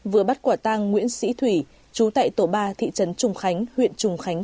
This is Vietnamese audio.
vừa bắt quả tang nguyễn sĩ thủy chú tại tổ ba thị trấn trùng khánh huyện trùng khánh